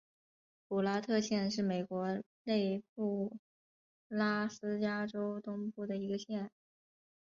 普拉特县是美国内布拉斯加州东部的一个县。